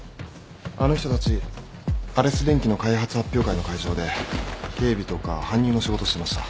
あの人たちアレス電機の開発発表会の会場で警備とか搬入の仕事してました。